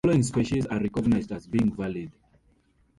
The following species are recognized as being valid.